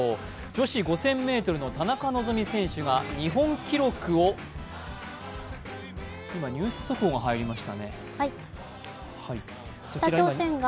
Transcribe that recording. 女子５０００ｍの田中希実選手が日本記録を今、ニュース速報が入りましたね。